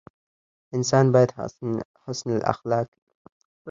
انسان باید حسن اخلاق ولري.